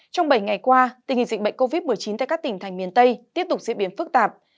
trong bảy ngày qua tình hình dịch bệnh covid một mươi chín tại các tỉnh thành miền tây tiếp tục diễn biến phức tạp